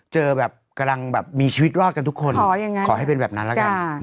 เจอแบบกำลังแบบมีชีวิตรอดกันทุกคนขอให้เป็นแบบนั้นแล้วกัน